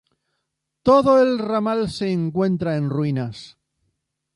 Todo el ramal se encuentra en ruinas.